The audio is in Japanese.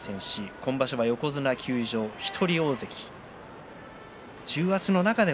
今場所は横綱休場一人大関です。